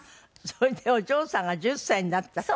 それでお嬢さんが１０歳になったって？